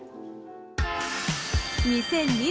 ［２０２２年。